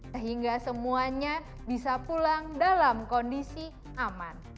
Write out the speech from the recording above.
sehingga semuanya bisa pulang dalam kondisi aman